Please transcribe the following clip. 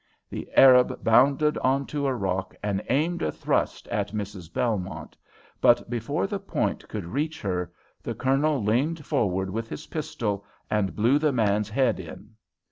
The Arab bounded on to a rock and aimed a thrust at Mrs. Belmont, but before the point could reach her the Colonel leaned forward with his pistol and blew the man's head in.